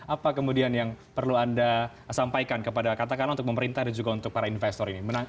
apa kemudian yang perlu anda sampaikan kepada katakanlah untuk pemerintah dan juga untuk para investor ini